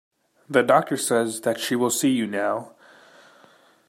The doctor says that she will see you now.